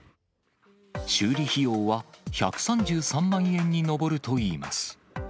修理費用は１３３万円に上るといいます。